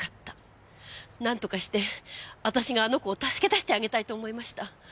なんとかして私があの子を助け出してあげたいと思いました。